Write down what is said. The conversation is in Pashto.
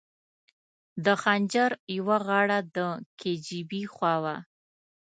د خنجر یوه غاړه د کي جي بي خوا وه.